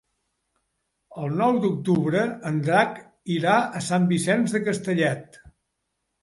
El nou d'octubre en Drac irà a Sant Vicenç de Castellet.